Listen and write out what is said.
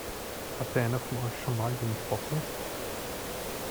Hatte einer von euch schon mal Windpocken?